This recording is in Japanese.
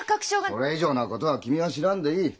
それ以上のことは君は知らんでいい。